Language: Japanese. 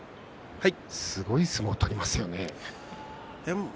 すごい相撲を取りますよね。